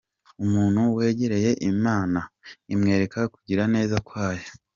Umuntu wegereye Imana, imwereka kugiraneza kwayo.